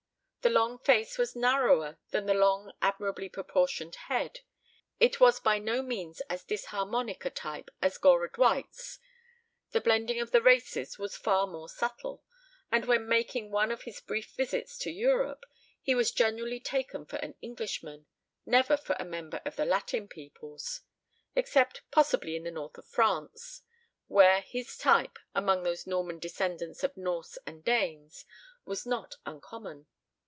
The long face was narrower than the long admirably proportioned head. It was by no means as disharmonic a type as Gora Dwight's; the blending of the races was far more subtle, and when making one of his brief visits to Europe he was generally taken for an Englishman, never for a member of the Latin peoples; except possibly in the north of France, where his type, among those Norman descendants of Norse and Danes, was not uncommon.